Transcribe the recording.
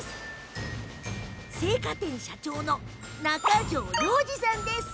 製菓店社長の中城洋仁さんです。